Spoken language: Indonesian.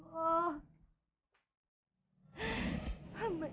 dua hari lagi